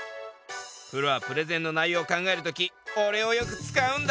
プロはプレゼンの内容を考えるときおれをよく使うんだ。